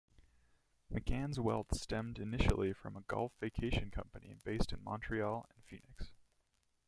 McCann's wealth stemmed initially from a golf vacation company, based in Montreal and Phoenix.